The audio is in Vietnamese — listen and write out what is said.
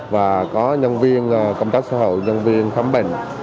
và có nhân viên công tác xã hội nhân viên khám bệnh